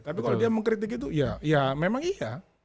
tapi kalau dia mengkritik itu ya memang iya